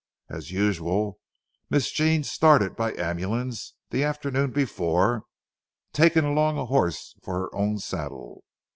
As usual, Miss Jean started by ambulance the afternoon before, taking along a horse for her own saddle.